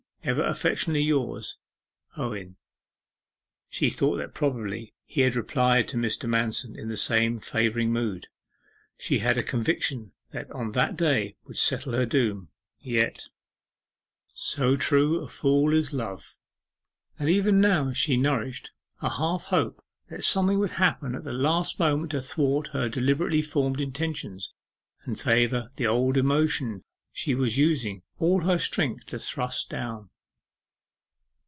Ever affectionately yours, OWEN.' She thought that probably he had replied to Mr. Manston in the same favouring mood. She had a conviction that that day would settle her doom. Yet 'So true a fool is love,' that even now she nourished a half hope that something would happen at the last moment to thwart her deliberately formed intentions, and favour the old emotion she was using all her strength to thrust down.